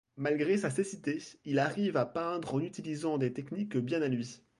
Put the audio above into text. Malgré sa cécité, il arrive à peindre en utilisant des techniques bien à lui.